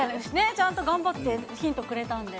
ちゃんと頑張ってヒントくれたんで。